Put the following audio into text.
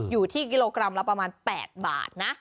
อยู่ที่กิโลกรัมละประมาณ๘บาทนะ